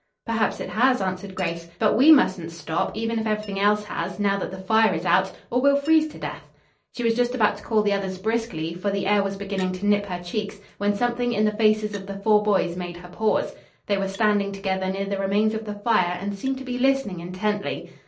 "Perhaps it has," answered Grace. "But we mustn't stop, even if everything else has, now that the fire is out, or we'll freeze to death." She was just about to call the others briskly, for the air was beginning to nip her cheeks, when something in the faces of the four boys made her pause. They were standing together near the remains of the fire, and seemed to be listening intently.